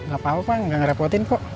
gak apa apa pak gak ngerepotin kok